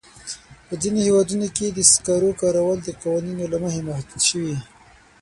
په ځینو هېوادونو کې د سکرو کارول د قوانینو له مخې محدود شوي.